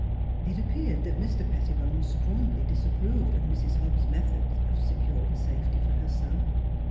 It appeared that Mr. Pettibone strongly disapproved of Mrs. Hobbs' methods of securing safety for her son.